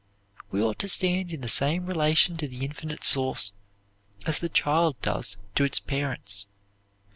We ought to stand in the same relation to the Infinite Source as the child does to its parents.